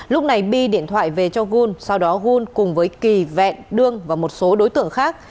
lúc này bi điện thoại về cho gun sau đó hun cùng với kỳ vẹn đương và một số đối tượng khác